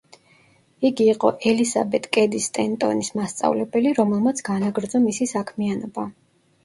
იგი იყო ელისაბედ კედი სტენტონის მასწავლებელი, რომელმაც განაგრძო მისი საქმიანობა.